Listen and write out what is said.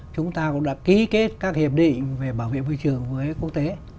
chúng ta cũng đã ký kết các hiệp định về bảo vệ môi trường với quốc tế